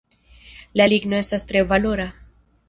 La ligno estas tre valora.